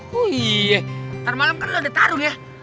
wuih ntar malem kan lo ada tarung ya